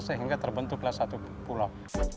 sehingga terbentuklah satu pulau